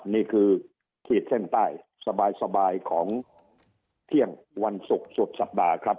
นี่คือขีดเส้นใต้สบายของเที่ยงวันศุกร์สุดสัปดาห์ครับ